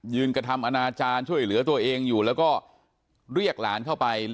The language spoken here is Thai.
กระทำอนาจารย์ช่วยเหลือตัวเองอยู่แล้วก็เรียกหลานเข้าไป